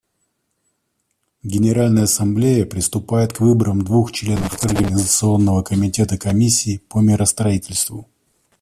Генеральная Ассамблея приступает к выборам двух членов Организационного комитета Комиссии по миростроительству.